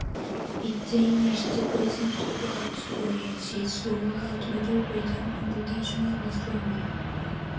Its aim is to present opera to audiences throughout metropolitan and regional Australia.